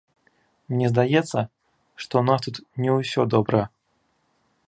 Мне здаецца, што ў нас тут не ўсё добра.